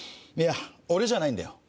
俺じゃないんだよ